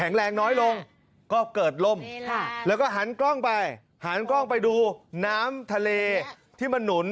แรงน้อยลงก็เกิดล่มแล้วก็หันกล้องไปหันกล้องไปดูน้ำทะเลที่มันหนุน